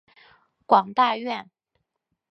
广大院。